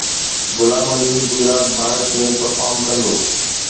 غلام Ali Gujarat, Bharat ۾ perform ڪندو